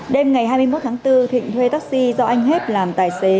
đêm ngày hai mươi một tháng bốn thịnh thuê taxi do anh hết làm tài xế